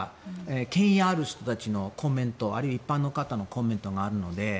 権威ある人たちのコメントあるいは一般の方のコメントがあるので。